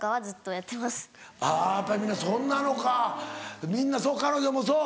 やっぱりみんなそんなのかみんなそう？